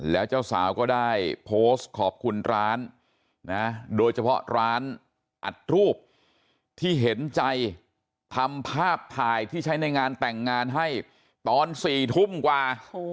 แล้วเจ้าสาวก็ได้โพสต์ขอบคุณร้านนะโดยเฉพาะร้านอัดรูปที่เห็นใจทำภาพถ่ายที่ใช้ในงานแต่งงานให้ตอน๔ทุ่มกว่า